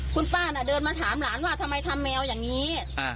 คุณป้าน่ะเดินมาถามหลานว่าทำไมทำแมวอย่างนี้